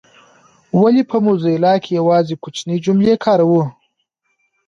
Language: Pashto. ولي په موزیلا کي یوازي کوچنۍ جملې کاروو؟